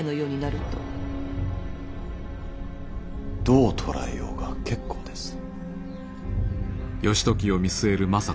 どう捉えようが結構です。